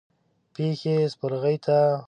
پښې يې سپرغې ته وغزولې.